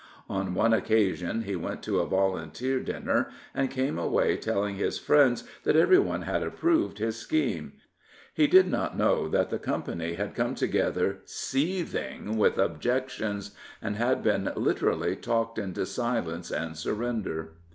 On one occasion he went to a Volunteer dinner and came away telling his friends that everyone had approved his scheme. 283 Richard Burden Haldane He did not know that the company had come together seething with objections and had been literally talked into silence and surrender.